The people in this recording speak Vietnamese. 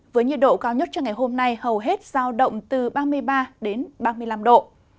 với nhiệt độ cao nhất cho ngày hôm nay hầu hết giao động từ ba mươi ba ba mươi năm độ